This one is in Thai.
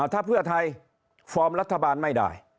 ถ้าเพื่อไทยฟอร์มรัฐบาลไม่ได้